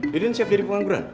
didin siap jadi pengangguran